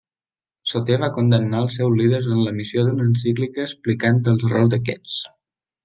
Soter va condemnar els seus líders amb l'emissió d'una encíclica explicant els errors d'aquests.